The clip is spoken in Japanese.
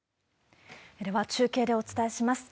では、中継でお伝えします。